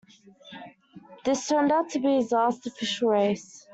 This turned out to be his last official race.